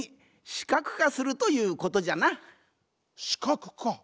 視覚化！